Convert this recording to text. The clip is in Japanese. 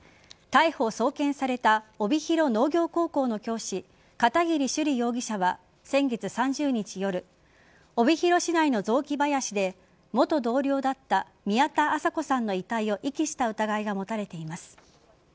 逮捕、送検された帯広農業高校の教師片桐朱璃容疑者は先月３０日夜帯広市内の雑木林で元同僚だった宮田麻子さんの遺体を遺棄した疑いが持たれています。